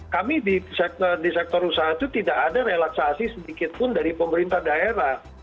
kami di sektor usaha itu tidak ada relaksasi sedikitpun dari pemerintah daerah